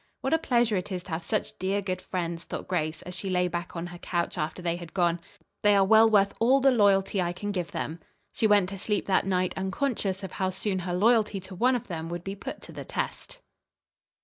"What a pleasure it is to have such dear, good friends," thought Grace as she lay back on her couch after they had gone. "They are well worth all the loyalty I can give them." She went to sleep that night unconscious of how soon her loyalty to one of them would be put to the test.